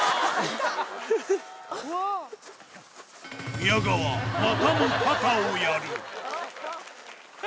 宮川、またも肩をやる。